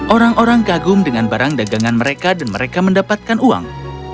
orang orang kagum dengan barang dagangan mereka dan mereka mendapatkan uang